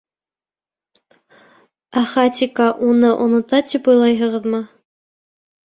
Ә Хатико уны онота тип уйлайһығыҙмы?